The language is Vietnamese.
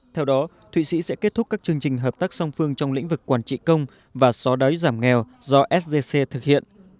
theo đó thụy sĩ sẽ kết thúc các chương trình hợp tác song phương trong lĩnh vực quản trị công và xóa đói giảm nghèo do sgc thực hiện